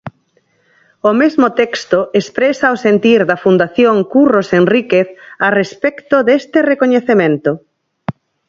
O mesmo texto expresa o sentir da Fundación Curros Enríquez a respecto deste recoñecemento.